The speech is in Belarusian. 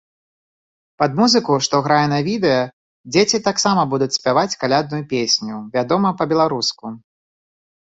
Пад музыку, што грае на відэа, дзеці таксама будуць спяваць калядную песню, вядома, па-беларуску.